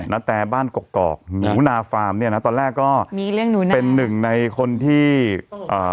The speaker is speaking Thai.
นาแต่บ้านกรอกหนูนาฟาร์มเนี่ยนะตอนแรกก็